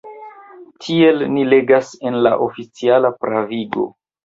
Tiel ni legas en la oficiala pravigo.